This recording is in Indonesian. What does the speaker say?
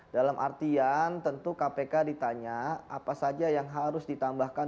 dalam artian tentu kpk ditanya apa saja yang harus ditambahkan